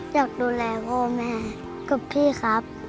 อยากดูแลพ่อแม่กับพี่ครับ